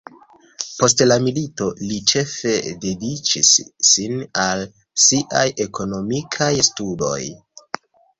Post la milito, li ĉefe dediĉis sin al siaj ekonomikaj studoj.